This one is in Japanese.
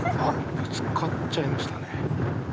ぶつかっちゃいましたね。